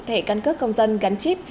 thẻ căn cấp công dân gắn chip